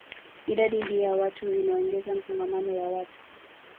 Idadi hii ya watu inaongeza msongamano wa watu